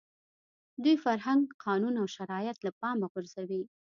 دوی فرهنګ، قانون او شرایط له پامه غورځوي.